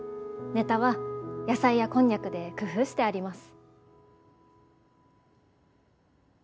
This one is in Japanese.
ネタは野菜やこんにゃくで工夫してあります。